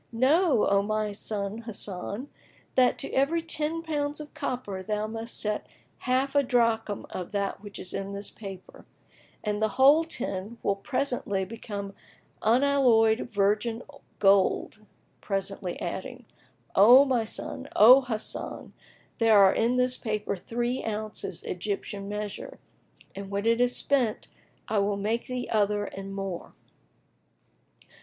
Know, O my son Hasan, that to every ten pounds of copper thou must set half a drachm of that which is in this paper, and the whole ten will presently become unalloyed virgin gold;" presently adding, "O my son, O Hasan, there are in this paper three ounces,[FN#22] Egyptian measure, and when it is spent, I will make thee other and more."